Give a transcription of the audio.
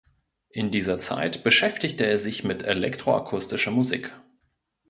In dieser Zeit beschäftigte er sich mit Elektroakustischer Musik.